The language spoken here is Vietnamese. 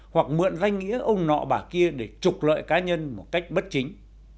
hoặc mượn danh nghĩa ông nọ bà kia để trục lợi cá nhân một cách bất chính